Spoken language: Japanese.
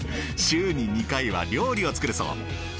週に２回は料理を作るそう。